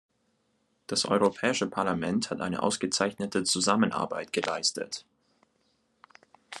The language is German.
Das Europäische Parlament hat eine ausgezeichnete Zusammenarbeit geleistet.